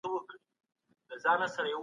لږ خوب د اعصابو د خرابوالي لامل کیږي.